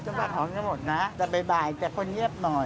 เจ้าของจะหมดนะแต่บ่ายแต่คนเงียบหน่อย